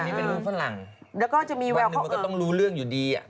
อันนี้เป็นลูกฝรั่งวันหนึ่งมันก็ต้องรู้เรื่องอยู่ดีอ่ะ